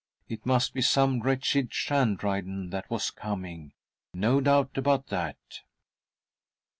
It must be some wretched . shandrydan that was coming, no doubt about that.